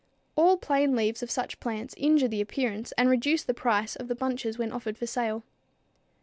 All plain leaves of such plants injure the appearance and reduce the price of the bunches when offered for sale.